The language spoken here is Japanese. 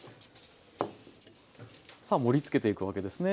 さあ盛りつけていくわけですね。